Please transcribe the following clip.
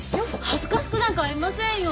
恥ずかしくなんかありませんよ。